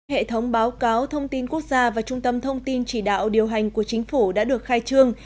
hệ thống báo cáo thông tin quốc gia và trung tâm thông tin chỉ đạo điều hành của chính phủ đã được khai trương